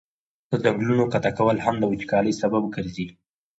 د ځنګلونو قطع کول هم د وچکالی سبب ګرځي.